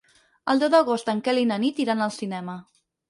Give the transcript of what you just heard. El deu d'agost en Quel i na Nit iran al cinema.